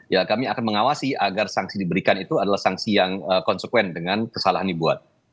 ya kami akan mengawasi agar sanksi diberikan itu adalah sanksi yang konsekuen dengan kesalahan dibuat